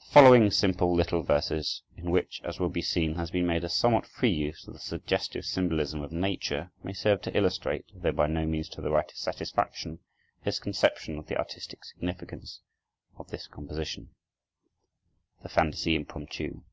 The following simple little verses, in which, as will be seen, has been made a somewhat free use of the suggestive symbolism of nature, may serve to illustrate, though by no means to the writer's satisfaction, his conception of the artistic significance of this composition: THE FANTASIE IMPROMPTU.